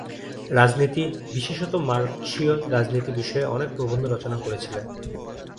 রাজনীতি, বিশেষত মার্কসীয় রাজনীতি বিষয়ে অনেক প্রবন্ধ রচনা করেছিলেন।